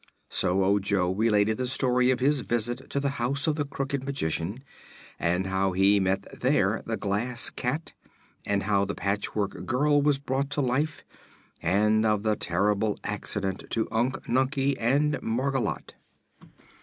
So Ojo related the story of his visit to the house of the Crooked Magician, and how he met there the Glass Cat, and how the Patchwork Girl was brought to life and of the terrible accident to Unc Nunkie and Margolotte.